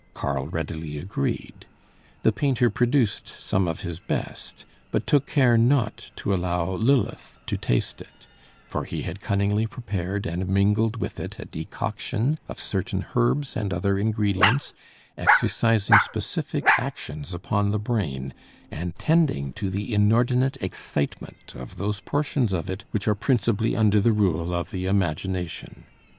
Karl readily agreed. The painter produced some of his best; but took care not to allow Lilith to taste it; for he had cunningly prepared and mingled with it a decoction of certain herbs and other ingredients, exercising specific actions upon the brain, and tending to the inordinate excitement of those portions of it which are principally under the rule of the imagination.